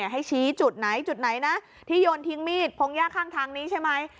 ให้ชี้จุดไหนจุดไหนนะที่โยนทิ้งมีดพงหญ้าข้างทางนี้ใช่ไหม